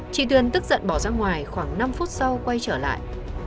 chị tuyền tức giận bỏ ra ngoài khoảng năm phút sau quay trở lại